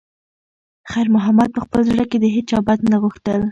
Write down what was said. خیر محمد په خپل زړه کې د هیچا بد نه غوښتل.